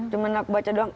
cuman aku baca doang